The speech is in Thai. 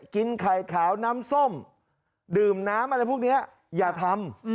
กินไข่ขาวน้ำส้มดื่มน้ำอะไรพวกนี้อย่าทำ